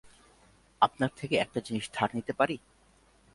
আপনার থেকে একটা জিনিস ধার নিতে পারি?